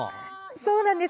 そうなんです。